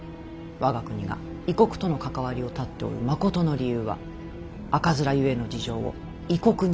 我が国が異国との関わりを絶っておるまことの理由は赤面ゆえの事情を異国に知られぬためじゃ。